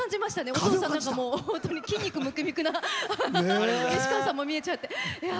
お父さんなんか筋肉ムキムキな西川さんに見えちゃって。